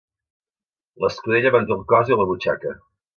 L'escudella manté el cos i la butxaca.